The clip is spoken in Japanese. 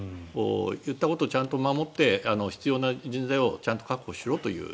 行ったことをちゃんと守って必要な人材をちゃんと確保しろという。